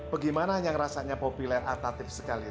bagaimana yang rasanya populer atatif sekali